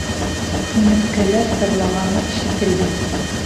Сиңерткәләр сырлағаны ишетелде.